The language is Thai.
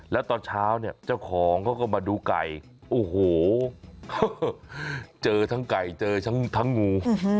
แล้วตอนเช้าเนี่ยเจ้าของเขาก็มาดูไก่โอ้โหเจอทั้งไก่เจอทั้งงู